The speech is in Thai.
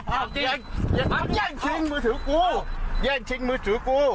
แย่งชิงมือถือกูแย่งชิงมือถือกู